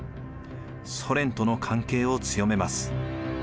ソ連との関係を強めます。